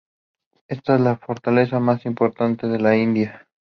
Esta es la fortaleza más importante de la India.